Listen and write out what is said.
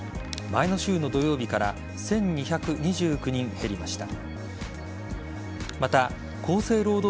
前の週の土曜日から１２２９人減りました。